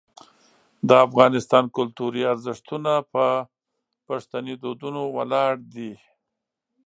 د افغانستان کلتوري ارزښتونه په پښتني دودونو ولاړ دي.